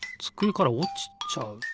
つくえからおちちゃう。